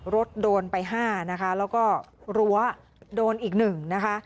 รถโดนไป๕นะคะแล้วก็รั้วโดนอีกหนึ่งนะคะ